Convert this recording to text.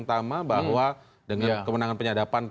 bang tama bahwa dengan kemenangan penyadapan